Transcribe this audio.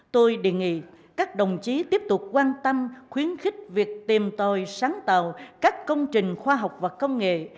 tôi đề nghị các đồng chí tiếp tục quan tâm khuyến khích việc tìm tòi sáng tạo các công trình khoa học và công nghệ